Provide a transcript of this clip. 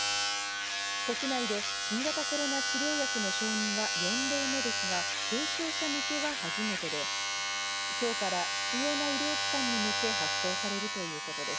国内で新型コロナ治療薬の承認は４例目ですが、軽症者向けは初めてで、今日から必要な医療機関に向け発送されるということです。